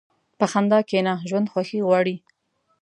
په خندا کښېنه، ژوند خوښي غواړي.